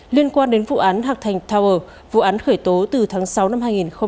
liên quan đến vụ án hạc thành tower vụ án khởi tố từ tháng sáu năm hai nghìn hai mươi